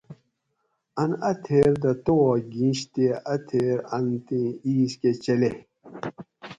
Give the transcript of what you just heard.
ان اۤ تھیر دہ تواک گیش تے اۤ تھیر ان تیں ایس کہ چلیئ